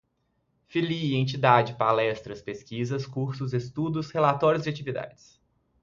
Filie, entidade, palestras, pesquisas, cursos, estudos, relatório de atividades